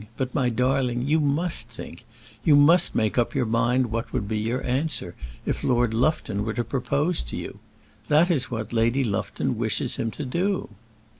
But, my darling, you must think. You must make up your mind what would be your answer if Lord Lufton were to propose to you. That is what Lady Lufton wishes him to do."